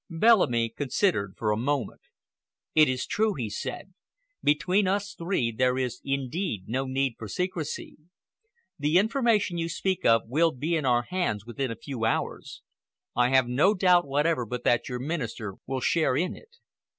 Bellamy considered for a moment. "It is true!" he said. "Between us three there is indeed no need for secrecy. The information you speak of will be in our hands within a few hours. I have no doubt whatever but that your Minister will share in it."